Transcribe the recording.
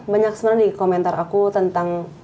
banyak sebenarnya di komentar aku tentang